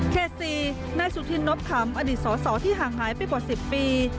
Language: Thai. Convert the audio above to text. เคส๔นายสุธินท์นบถามอดีตสอที่ห่างหายไปกว่า๑๐ปี